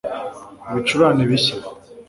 ibicurane bishya